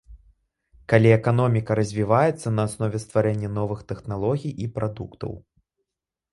Калі эканоміка развіваецца на аснове стварэння новых тэхналогій і прадуктаў.